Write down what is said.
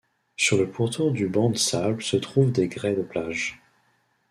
Sur le pourtour du banc de sable se trouvent des grès de plage.